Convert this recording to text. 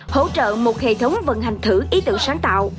hỗ trợ một hệ thống vận hành thử ý tưởng sáng tạo